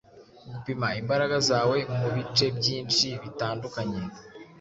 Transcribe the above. gupima imbaraga zawe mubice byinhi bitandukanye